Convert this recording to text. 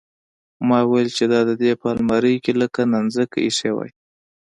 ما ويل چې دا دې په المارۍ کښې لکه نانځکه ايښې واى.